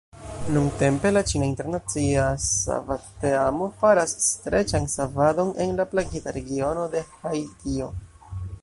Nuntempe, la ĉina internacia savadteamo faras streĉan savadon en la plagita regiono de Haitio.